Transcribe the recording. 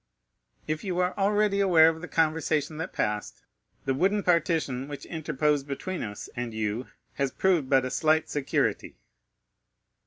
"If you are already aware of the conversation that passed, the wooden partition which interposed between us and you has proved but a slight security."